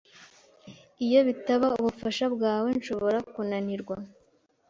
Iyo bitaba ubufasha bwawe, nshobora kunanirwa.